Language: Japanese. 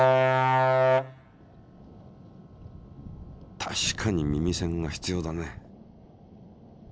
確かに耳栓が必要だね。